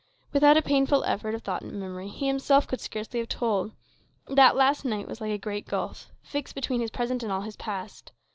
Without a painful effort of thought and memory, he himself could scarcely have told. That last night was like a great gulf, fixed between his present and all his past.